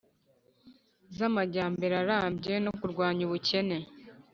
z'amajyambere arambye no kurwanya ubukene,